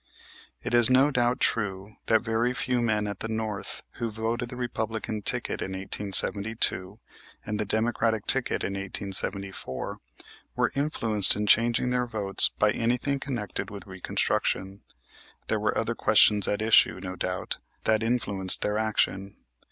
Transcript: It is no doubt true that very few men at the North who voted the Republican ticket in 1872 and the Democratic ticket in 1874 were influenced in changing their votes by anything connected with Reconstruction. There were other questions at issue, no doubt, that influenced their action.